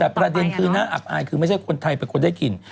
แต่ประเด็นคือน่าอับอายคือไม่ใช่คนไทยเป็นคนได้กิน